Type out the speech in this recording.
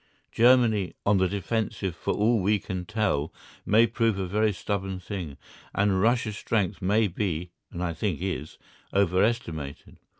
Germany on the defensive for all we can tell may prove a very stubborn thing, and Russia's strength may be, and I think is, overestimated.